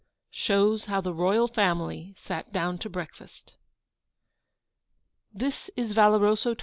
SHOWS HOW THE ROYAL FAMILY SATE DOWN TO BREAKFAST This is Valoroso XXIV.